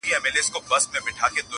سمدستي سو پوه د زرکي له پروازه -